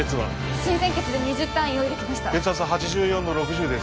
新鮮血で２０単位用意できました血圧８４の６０です